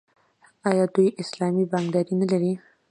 آیا دوی اسلامي بانکداري نلري؟